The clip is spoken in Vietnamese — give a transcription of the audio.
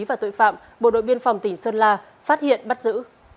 và tội phạm bộ đội biên phòng tỉnh sơn la phát hiện bắt giữ